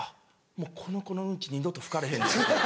もうこの子のうんち二度と拭かれへんねや。